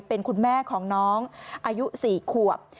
เป็นคุณแม่ของน้องอายุ๔ขวบ